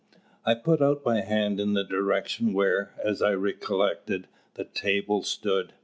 I put out my hand in the direction where, as I recollected, the table stood.